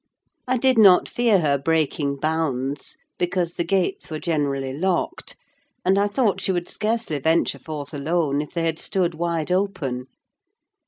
I did not fear her breaking bounds; because the gates were generally locked, and I thought she would scarcely venture forth alone, if they had stood wide open.